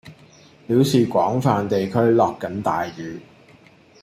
表示廣泛地區落緊大雨